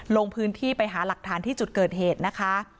ลงพื้นที่ไปหาหลักฐานที่จุดเกิดเหตุนะคะ